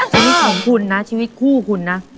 ชีวิตของคุณนะชีวิตคู่คุณนะ